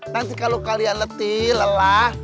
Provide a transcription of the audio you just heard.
nanti kalau kalian letih lelah